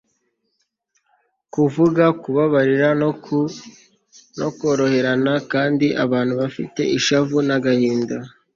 kuvuga kubabarira no koroherana kandi abantu bafite ishavu n agahinda